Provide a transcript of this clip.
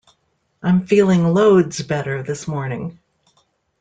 I'm feeling loads better this morning.